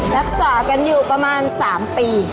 รักษากันอยู่ประมาณ๓ปี